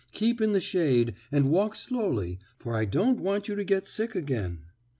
Keep in the shade, and walk slowly, for I don't want you to get sick again."